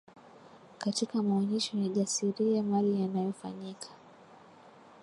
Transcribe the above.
katika maonyesho yajasiria mali yanayofanyika